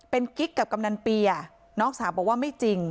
เป็นกิ๊กกับกำนันเปียน้องสาวบอกว่าไม่จริง